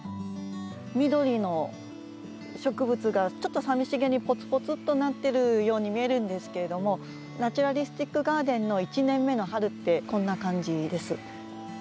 緑の植物がちょっと寂しげにポツポツっとなってるように見えるんですけれどもナチュラリスティック・ガーデンの１年目の春ってこんな感じです。